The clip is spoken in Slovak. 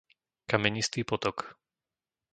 Kamenistý potok